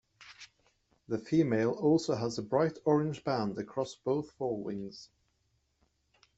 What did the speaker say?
The female also has a bright orange band across both forewings.